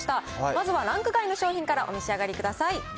まずはランク外の商品からお召し上がりください。